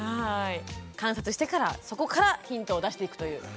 観察してからそこからヒントを出していくという。